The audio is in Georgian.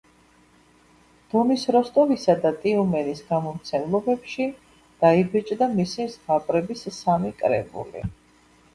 დონის როსტოვისა და ტიუმენის გამომცემლობებში დაიბეჭდა მისი ზღაპრების სამი კრებული.